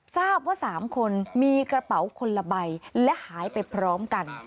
ทราบว่า๓คนมีกระเป๋าคนละใบและหายไปพร้อมกัน